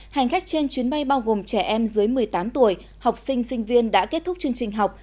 hành khách trên chuyến bay bao gồm trẻ em dưới một mươi tám tuổi học sinh sinh viên đã kết thúc chương trình học